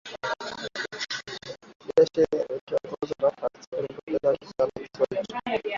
jeshi la Ureno likiongozwa na Francisco Almeida lilikitawala kisiwa hicho